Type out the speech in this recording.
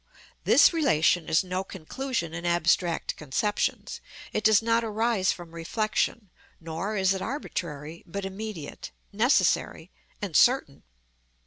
This relation is no conclusion in abstract conceptions; it does not arise from reflection, nor is it arbitrary, but immediate, necessary, and certain.